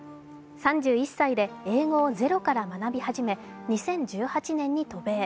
３１歳で英語をゼロから学び始め２０１８年に渡米。